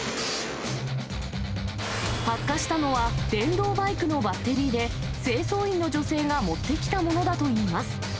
発火したのは、電動バイクのバッテリーで、清掃員の女性が持ってきたものだといいます。